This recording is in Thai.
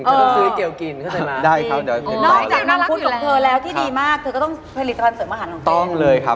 โอนก็คนละแน่กับเกรชอยู่แล้วแต่ถ้าเป็นเกลียว